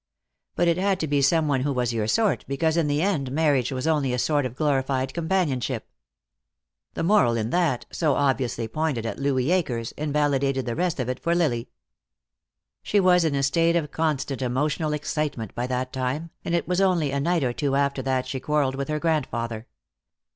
But it had to be some one who was your sort, because in the end marriage was only a sort of glorified companionship. The moral in that, so obviously pointed at Louis Akers, invalidated the rest of it for Lily. She was in a state of constant emotional excitement by that time, and it was only a night or two after that she quarreled with her grandfather.